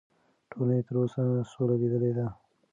ټولنې تر اوسه سوله لیدلې ده.